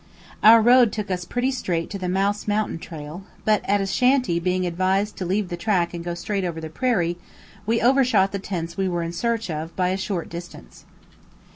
Our road took us pretty straight to the Mouse Mountain trail; but at a shanty being advised to leave the track and go straight over the prairie, we overshot the tents we were in search of by a short distance.